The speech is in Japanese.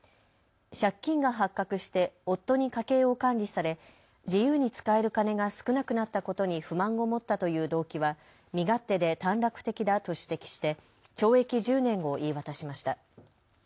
借金が発覚して夫に家計を管理され、自由に使える金が少なくなったことに不満を持ったという動機は身勝手で短絡的だと指摘して懲役１０年を言い渡しました。